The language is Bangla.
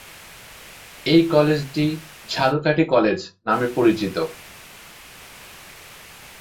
এই কলেজটি "ঝালকাঠি কলেজ" নামে পরিচিত।